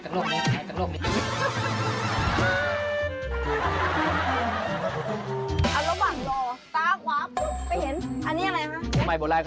ถังแตกไหมคะ